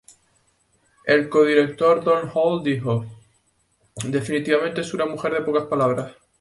El codirector Don Hall dijo: "Definitivamente es una mujer de pocas palabras...